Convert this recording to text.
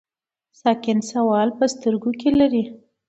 ساکن سوال په سترګو کې لري.